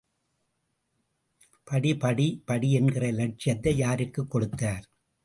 படி, படி, படி என்கிற இலட்சியத்தை யாருக்குக் கொடுத்தார்?